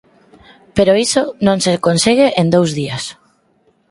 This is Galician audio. pero iso non se consegue en dous días.